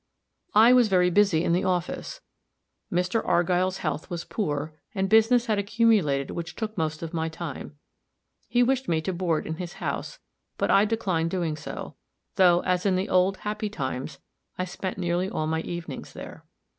I was very busy in the office. Mr. Argyll's health was poor, and business had accumulated which took the most of my time. He wished me to board in his house, but I declined doing so; though, as in the old, happy times, I spent nearly all my evenings there.